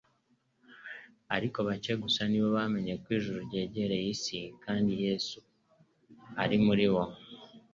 ariko bake gusa ni bo bamenye ko ijuru ryegereye isi kandi ko Yesu yari muri bo.